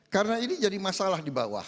karena ini jadi masalah di bawah